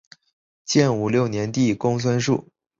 建武六年帝公孙述。